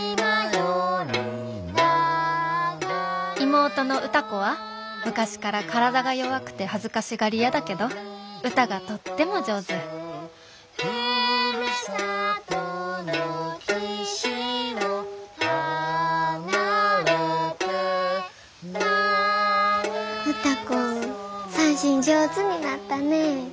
妹の歌子は昔から体が弱くて恥ずかしがり屋だけど歌がとっても上手歌子三線上手になったね。